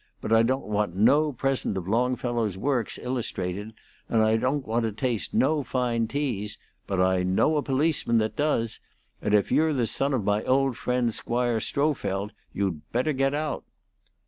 But I don't want no present of Longfellow's Works, illustrated; and I don't want to taste no fine teas; but I know a policeman that does; and if you're the son of my old friend Squire Strohfeldt, you'd better get out.'